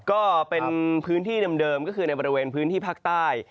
ก็เป็นพื้นที่เดิมก็คือในบริเวณพื้นที่ภาคใต้